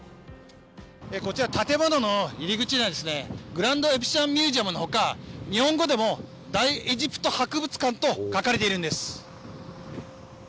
こちら、建物の入り口には「グランドエジプシャンミュージアム」の他日本語でも大エジプト博物館を書かれているんです。